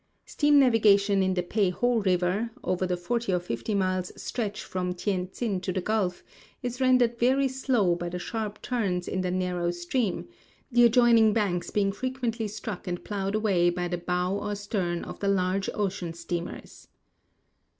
Steam navigation in the Pei ho river, over the forty or fifty miles' stretch from Tientsin to the gulf, is rendered very slow by the sharp turns in the narrow stream — the adjoining banks being frequently struck and plowed away by the bow or stern of the large ocean steamers.